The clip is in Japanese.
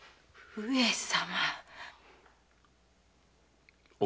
上様！